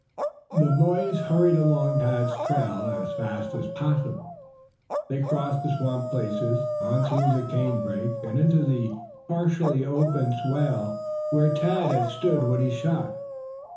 The boys hurried along Tad's trail as fast as possible. They crossed the swamp places, on through the canebrake and into the partially open swale where Tad had stood when he shot.